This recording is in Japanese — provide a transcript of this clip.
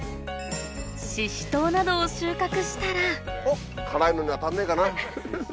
シシトウなどを収穫したら辛いのに当たんねえかな。